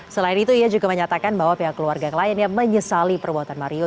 selain itu ia juga menyatakan bahwa pihak keluarga kliennya menyesali perbuatan mario